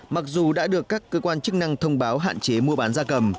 mặc dù đã được các cơ quan chức năng thông báo hạn chế mua bán gia cầm